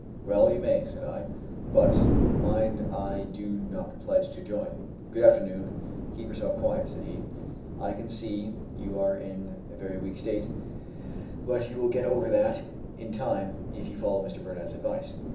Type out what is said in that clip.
"Well you may," said I; "but mind I do not pledge to join." "Good afternoon; keep yourself quiet," said he; "I can see you are in a very weak state; but you will get over that in time, if you follow Mr. Burnett's advice."